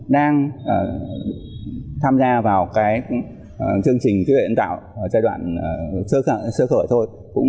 đang tham gia vào cái chương trình trí tuệ nhân tạo giai đoạn sơ khởi thôi